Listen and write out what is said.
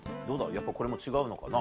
やっぱこれも違うのかな？